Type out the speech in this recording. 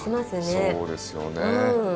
そうですよね。